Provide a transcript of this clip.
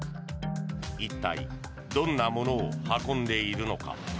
一体、どんなものを運んでいるのか。